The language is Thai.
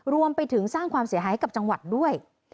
รวมไปถึงสร้างความเสียหายให้กับจังหวัดด้วย